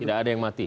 tidak ada yang mati